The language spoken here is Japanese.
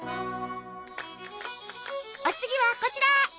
お次はこちら！